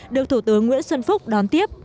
được thủ tướng nguyễn xuân phúc đón tiếp